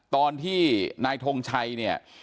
ตอนที่นายทรงชัย